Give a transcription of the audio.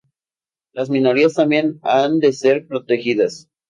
las minorías también han de ser protegidas